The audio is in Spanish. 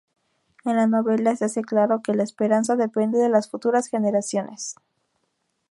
En la novela, se hace claro que la esperanza depende de las futuras generaciones.